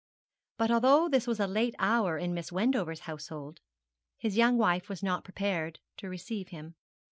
But although this was a late hour in Miss Wendover's household, his young wife was not prepared to receive him.